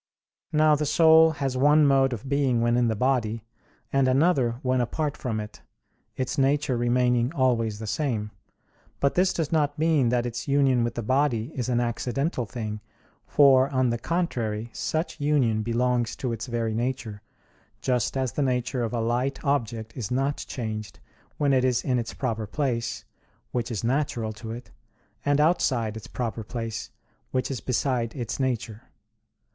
Now the soul has one mode of being when in the body, and another when apart from it, its nature remaining always the same; but this does not mean that its union with the body is an accidental thing, for, on the contrary, such union belongs to its very nature, just as the nature of a light object is not changed, when it is in its proper place, which is natural to it, and outside its proper place, which is beside its nature.